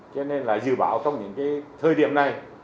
cho nên là dự báo trong những thời điểm này